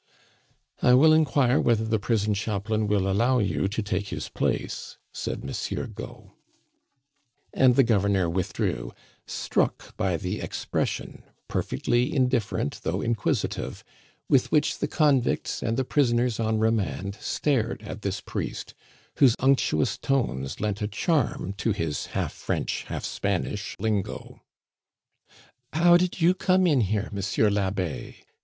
"I will inquire whether the prison chaplain will allow you to take his place," said Monsieur Gault. And the governor withdrew, struck by the expression, perfectly indifferent, though inquisitive, with which the convicts and the prisoners on remand stared at this priest, whose unctuous tones lent a charm to his half French, half Spanish lingo. "How did you come in here, Monsieur l'Abbe?"